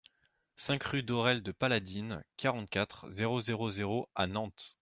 cinq rue d'Aurelle de Paladines, quarante-quatre, zéro zéro zéro à Nantes